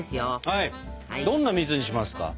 どんな蜜にしますか？